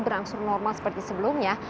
berangsur normal seperti sebelumnya